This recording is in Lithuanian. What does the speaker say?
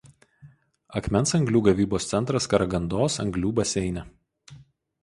Akmens anglių gavybos centras Karagandos anglių baseine.